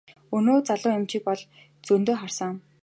Өнөө залуу эмчийг бол зөндөө харсан.